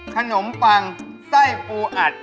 ขนมปังไส้ปูอัด